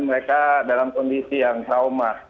mereka dalam kondisi yang trauma